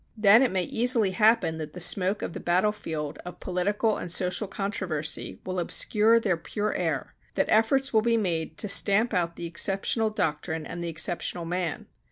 Then it may easily happen that the smoke of the battle field of political and social controversy will obscure their pure air, that efforts will be made to stamp out the exceptional doctrine and the exceptional man.